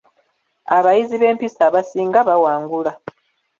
Abayizi b'empisa abasinga bawangula.